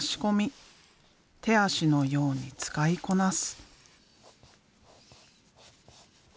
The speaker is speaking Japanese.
手足のように使いこなす。